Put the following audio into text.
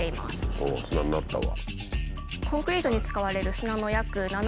おっ砂になったわ。